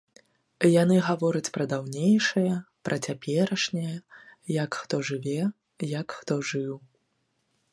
Яны гавораць пра даўнейшае, пра цяперашняе, як хто жыве, як хто жыў.